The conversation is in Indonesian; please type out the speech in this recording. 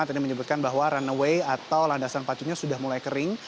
tadi menyebutkan bahwa runway atau landasan pacunya sudah mulai kering